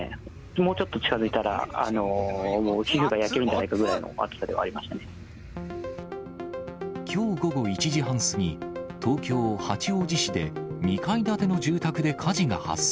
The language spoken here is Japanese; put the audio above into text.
もうちょっと近づいたら、もう皮膚が焼けるんじゃないかぐらいのきょう午後１時半過ぎ、東京・八王子市で、２階建ての住宅で火事が発生。